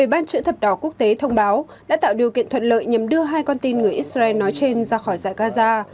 ủy ban trưởng thập đỏ quốc tế thông báo đã tạo điều kiện thuận lợi nhằm đưa hai con tin người israel nói trên ra khỏi giải gaza